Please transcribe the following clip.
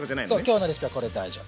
今日のレシピはこれで大丈夫。